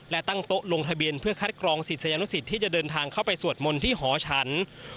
และตั้งโต๊ะลงทะเบียนเพื่อคัดกรองศิษยานุสิตที่จะเดินทางเข้าไปสวดมนต์ที่หอฉัน